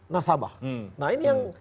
nasabah nah ini yang